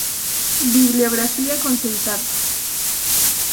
Bibliografía consultada